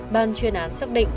ban chuyên án xác định